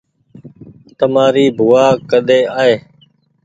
تمآري بووآ ڪۮي آئي